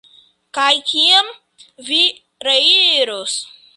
Kaj kiam vi reiros?